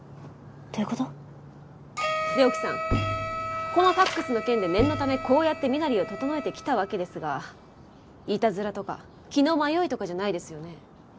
どういう事？で沖さんこのファクスの件で念のためこうやって身なりを整えてきたわけですがいたずらとか気の迷いとかじゃないですよね？